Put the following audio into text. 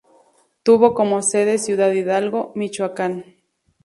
Tuvo como sede Ciudad Hidalgo, Michoacán.